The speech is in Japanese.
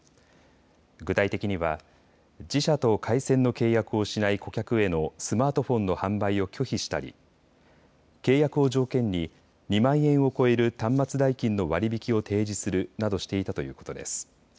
具体的には自社と回線の契約をしない顧客へのスマートフォンの販売を拒否したり契約を条件に２万円を超える端末代金の割り引きを提示するなどしていたということです。